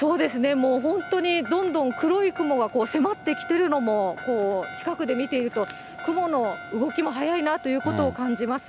もう本当にどんどん黒い雲が迫ってきてるのも、近くで見ていると、雲の動きも速いなということを感じます。